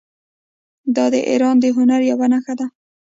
دا د ایران د هنر یوه نښه ده.